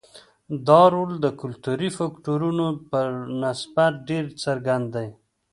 دا رول د کلتوري فکټورونو په نسبت ډېر څرګند دی.